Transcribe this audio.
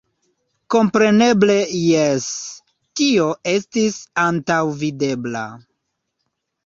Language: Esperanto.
Kompreneble jes, tio estis antaŭvidebla.